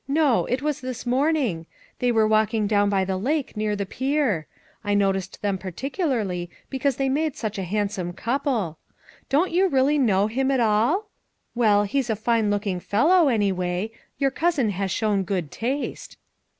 No, it was this morning; they were walking down by the lake near the pier; I noticed them par ticularly because they made such a handsome couple. Don't you really know him at all? Well, he's a fine looking fellow, anyway; your cousin has shown good taste."